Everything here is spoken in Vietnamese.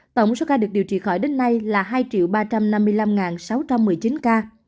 tổng số ca được điều trị khỏi đến nay là hai ba trăm năm mươi năm sáu trăm một mươi chín ca